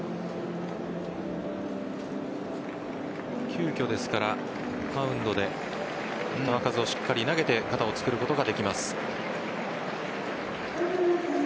急きょですからマウンドで球数をしっかり投げて肩をつくることができます。